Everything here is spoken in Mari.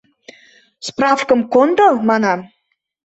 Справкым кондо, манам!